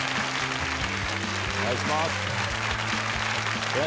お願いします。